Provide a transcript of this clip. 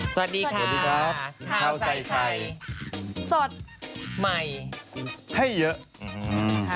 สวัสดีครับสวัสดีครับข้าวใส่ไข่สดใหม่ให้เยอะอืม